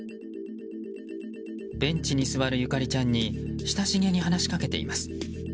ベンチに座るゆかりちゃんに親しげに話しかけています。